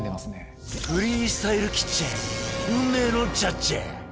フリースタイルキッチン運命のジャッジ！